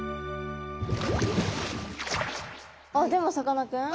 あっでもさかなクン。